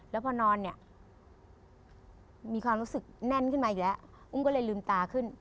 แล้วพอนอนเนี่ยมีความรู้สึกแน่นขึ้นมาอีกแล้วอุ้มก็เลยลืมตาขึ้น